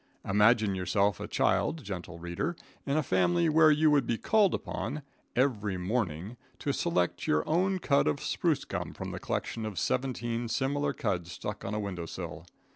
Imagine yourself a child, gentle reader, in a family where you would be called upon, every morning, to select your own cud of spruce gum from a collection of seventeen similar cuds stuck on a window sill.